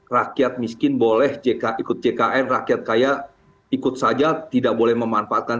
rakyat miskin boleh ikut jkn rakyat kaya ikut saja tidak boleh memanfaatkan